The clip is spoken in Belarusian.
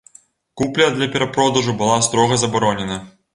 Купля для перапродажу была строга забаронена.